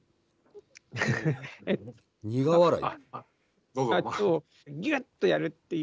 苦笑い。